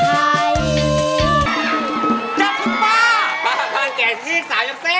คุณป้าป้าพันแก่อีกสามอย่างเส้